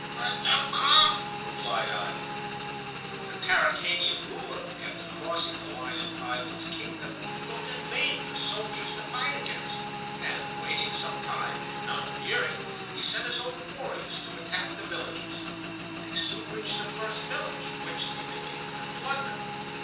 "Let them come," replied Ivan. The Tarakanian ruler, after crossing the line into Ivan's kingdom, looked in vain for soldiers to fight against; and waiting some time and none appearing, he sent his own warriors to attack the villages. They soon reached the first village, which they began to plunder.